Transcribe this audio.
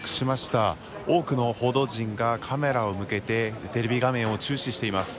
多くの報道陣がカメラを向けてテレビ画面を注視しています。